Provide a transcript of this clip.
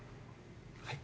はい。